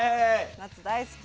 夏大好き！